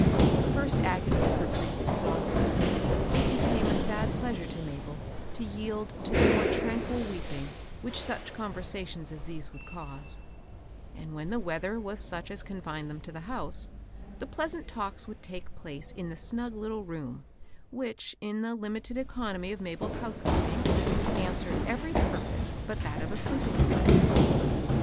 The first agony of her grief exhausted, it became a sad pleasure to Mabel to yield to the more tranquil weeping which such conversations as these would cause ; and when the weather was such as confined them to the house, the pleasant talks would take place in the snug lit tle room, which, in the limited economy of Mabel's house keeping, answered every purpose but that of a sleeping apartment.